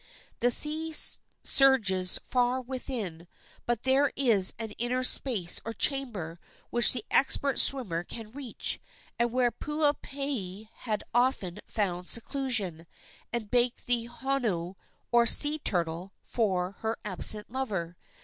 The sea surges far within, but there is an inner space or chamber which the expert swimmer can reach, and where Puupehe had often found seclusion, and baked the honu, or sea turtle, for her absent lover.